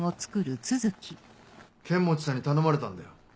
剣持さんに頼まれたんだよ。